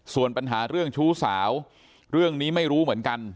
ส่วนปัญหาเรื่องชู้สาวเรื่องนี้ไม่รู้เหมือนกัน